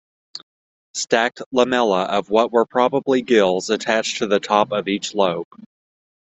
Stacked lamella of what were probably gills attached to the top of each lobe.